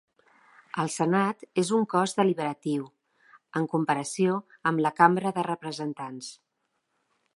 El Senat és un cos deliberatiu, en comparació amb la Cambra de Representants.